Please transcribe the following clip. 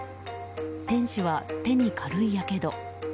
店主は手に軽いやけど。